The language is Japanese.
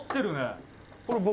これ、僕？